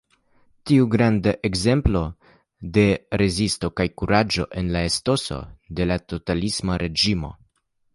Tiu estas granda ekzemplo de rezisto kaj kuraĝo en la etoso de totalisma reĝimo.